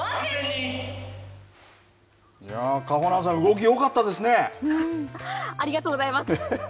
かほなんさん、動きよかったありがとうございます。